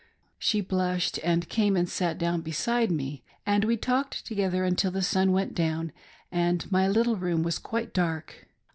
She blushed, and came and sat down beside me, and we talked together until the sun went down and my little room was quite dark.